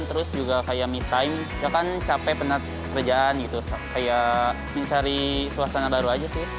terus juga kayak me time ya kan capek penat kerjaan gitu kayak mencari suasana baru aja sih